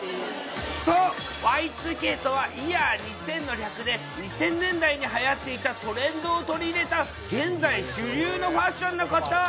そう、Ｙ２Ｋとは、イヤー２０００の略で、２０００年代にはやっていたトレンドを取り入れた現在主流のファッションのこと。